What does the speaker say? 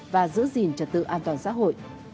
và giữ gìn trật tự an toàn xã hội